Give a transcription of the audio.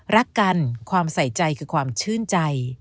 รักกันความใส่ใจคือความชื่นใจ